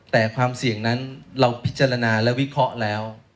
แต่ความเสี่ยงนั้นเราพิจารณาและวิเคราะห์แล้ว